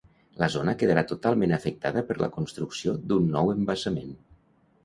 La zona quedarà totalment afectada per la construcció d'un nou embassament.